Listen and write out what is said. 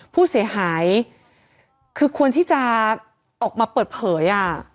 ผู้เสียหายคือควรที่จะออกมาเปิดเผย